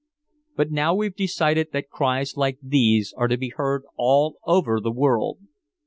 "But now we've decided that cries like these are to be heard all over the world.